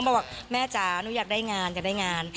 บอกแม่จ๋าหนูอยากได้งานอยากได้งาน